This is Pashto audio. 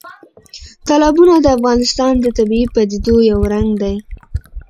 تالابونه د افغانستان د طبیعي پدیدو یو رنګ دی.